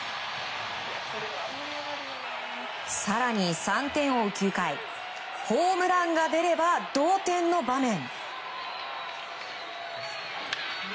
更に３点を追う９回ホームランが出れば同点の場面。